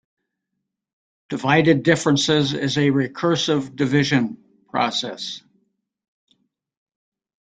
Divided differences is a recursive division process.